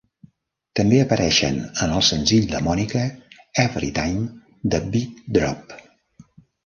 També apareixen en el senzill de Monica "Everytime tha Beat Drop".